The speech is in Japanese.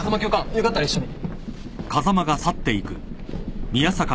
よかったら一緒に。